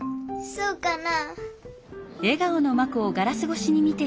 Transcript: そうかな？